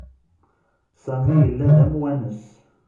Sami yella d amwanes.